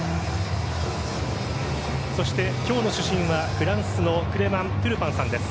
そして今日の主審はフランスのクレマン・トゥルパンさんです。